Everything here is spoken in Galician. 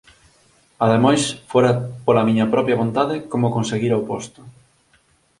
Ademais fora pola miña propia vontade como conseguira o posto.